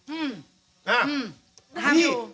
อื้ออื้อ